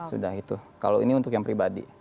sudah itu kalau ini untuk yang pribadi